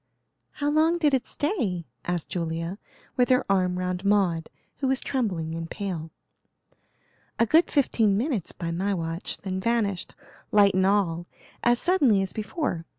"How long did it stay?" asked Julia, with her arm round Maud, who was trembling and pale. "A good fifteen minutes by my watch, then vanished, light and all, as suddenly as before.